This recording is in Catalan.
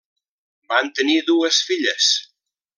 Van tenir dues filles.